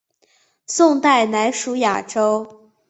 宋代仍属雅州。